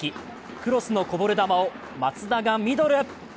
クロスのこぼれ球を松田がミドル。